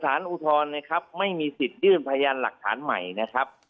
อ๋อสารอุทรไม่มีสิทธิ์ยื่นพยานหลักฐานใหม่นะครับ